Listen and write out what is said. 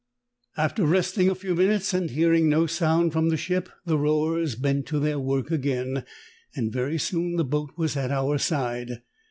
"After resting a few minutes, and hearing no sound from the ship the rowers bent to their Avork again, and very soon the boat was at our side.